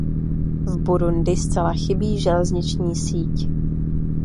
V Burundi zcela chybí železniční síť.